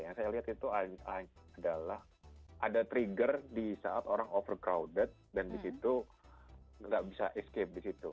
yang saya lihat itu adalah ada trigger di saat orang overcrowded dan di situ nggak bisa escape di situ